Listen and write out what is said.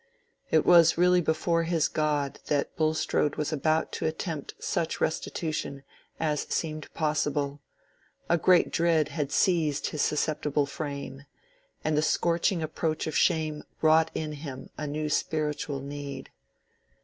It was really before his God that Bulstrode was about to attempt such restitution as seemed possible: a great dread had seized his susceptible frame, and the scorching approach of shame wrought in him a new spiritual need.